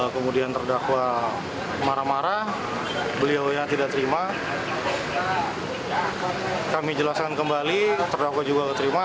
kemudian terdakwa marah marah beliau yang tidak terima kami jelaskan kembali terdakwa juga terima